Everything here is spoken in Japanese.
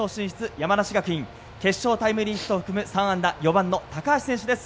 山梨学院決勝タイムリーヒットを含む３安打４番の高橋選手です。